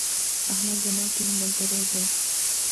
احمد زما ټينګ ملګری دی.